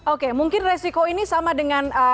oke mungkin risiko ini sama dengan kegiatan